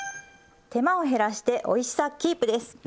手間を減らしておいしさキープです。